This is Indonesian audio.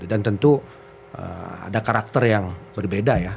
dan tentu ada karakter yang berbeda ya